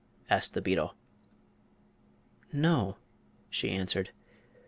asked the beetle. "No," she answered.